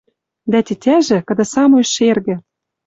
Дӓ тетяжӹ, кыды самой шергӹ